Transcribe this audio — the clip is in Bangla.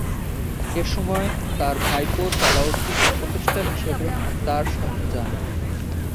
এসময় তার ভাইপো সালাহউদ্দিন উপদেষ্টা হিসেবে তার সাথে যান।